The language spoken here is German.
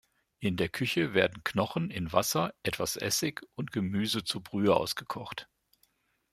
In der Küche werden Knochen in Wasser, etwas Essig und Gemüse zu Brühe ausgekocht.